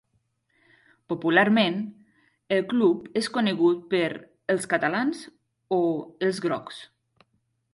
Popularment, el club és conegut per “els catalans” o “els grocs”.